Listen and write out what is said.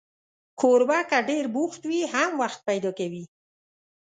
کوربه که ډېر بوخت وي، هم وخت پیدا کوي.